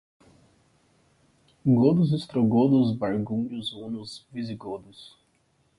Godos, ostrogodos, burgúndios, hunos, visigodos